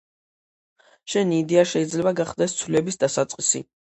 შენი იდეა შეიძლება გახდეს ცვლილების დასაწყისი